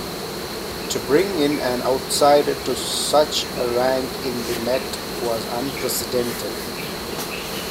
To bring in an outsider to such a rank in the Met was unprecedented.